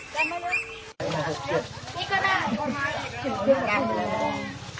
สวัสดีครับทุกคน